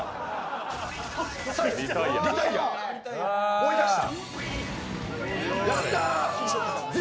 追い出した。